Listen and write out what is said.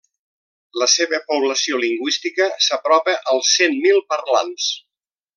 La seva població lingüística s'apropa als cent mil parlants.